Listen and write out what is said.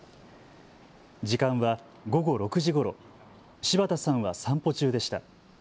時間は午後６時ごろ、柴田さんは散歩中でした。